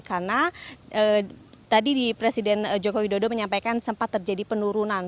karena tadi presiden joko widodo menyampaikan sempat terjadi penurunan